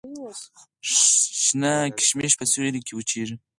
شنه ممیز په سیوري کې وچیږي.